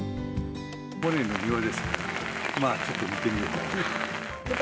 モネの庭ですから、まあちょっと見てみようかなと。